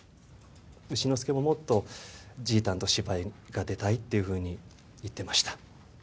丑之助ももっとじいたんと芝居に出たいというふうに言ってました。